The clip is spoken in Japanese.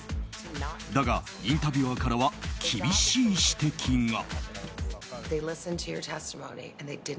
だが、インタビュアーからは厳しい指摘が。